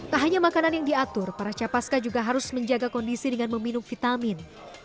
tak hanya makanan yang diatur para capaska juga harus menjaga kondisi dengan meminum vitamin